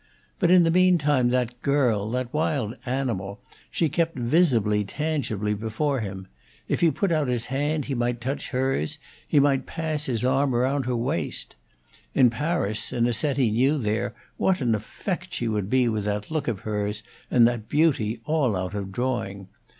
But in the mean time that girl, that wild animal, she kept visibly, tangibly before him; if he put out his hand he might touch hers, he might pass his arm round her waist. In Paris, in a set he knew there, what an effect she would be with that look of hers, and that beauty, all out of drawing!